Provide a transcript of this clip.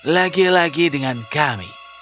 lagi lagi dengan kami